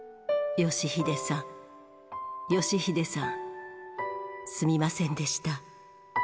良英さん、良英さん、すみませんでした。